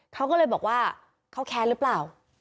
เขาก็เลยบอกว่าเขาแค้นหรือเปล่า